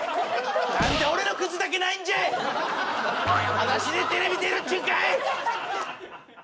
はだしでテレビ出るっちゅうんかい！